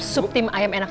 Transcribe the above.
sup tim ayam enaknya